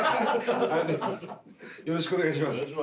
よろしくお願いします